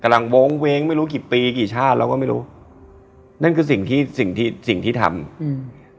กำลังโว้งเว้งไม่รู้กี่ปีกี่ชาติแล้วก็ไม่รู้นั่นคือสิ่งที่สิ่งที่สิ่งที่ทำอืม